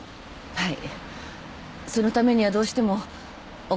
はい。